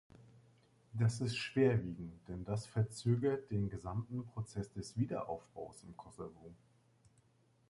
Das ist schwerwiegend, denn das verzögert den gesamten Prozess des Wiederaufbaus im Kosovo.